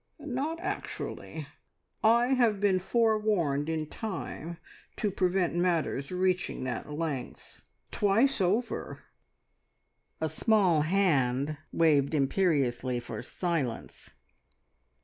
"Not actually. I have been forewarned in time to prevent matters reaching that length. Twice over " A small hand waved imperiously for silence.